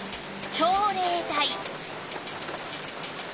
朝礼台。